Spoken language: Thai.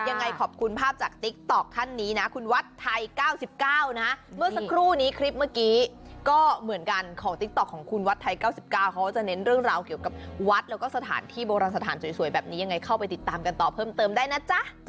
ยังไงขอบคุณภาพจากติ๊กต๊อกท่านนี้นะคุณวัดไทย๙๙นะเมื่อสักครู่นี้คลิปเมื่อกี้ก็เหมือนกันของติ๊กต๊อกของคุณวัดไทย๙๙เขาก็จะเน้นเรื่องราวเกี่ยวกับวัดแล้วก็สถานที่โบราณสถานสวยแบบนี้ยังไงเข้าไปติดตามกันต่อเพิ่มเติมได้นะจ๊ะ